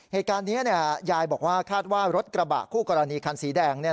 เหตุการณ์นี้ยายบอกว่าคาดว่ารถกระบะคู่กรณีคันสีแดง